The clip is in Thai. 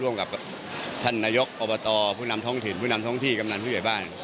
ร่วมกับท่านนายกอบตผู้นำท้องถิ่นผู้นำท้องที่กำนันผู้ใหญ่บ้าน